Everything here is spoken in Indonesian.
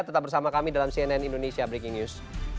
tetap bersama kami dalam cnn indonesia breaking news